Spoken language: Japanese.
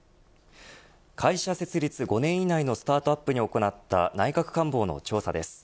会社設立５年以内のスタートアップに行った内閣官房の調査です。